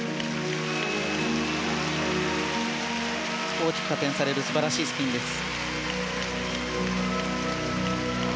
大きく加点される素晴らしいスピンです。